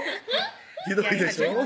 ひどいでしょ？